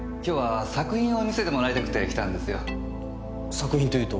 作品というと？